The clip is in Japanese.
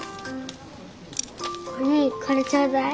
おにぃこれちょうだい。